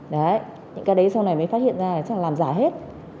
đấy những cái đấy sau này mới phát hiện ra là làm giả hết